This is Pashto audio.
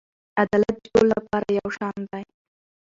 عدالت د ټولو لپاره یو شان دی.